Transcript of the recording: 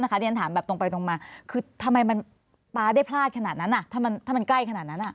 แล้วเรียนถามแบบตรงไปมันทำไมมันปลาได้พลาดขนาดนั้นถ้ามันใกล้ขนาดนั้น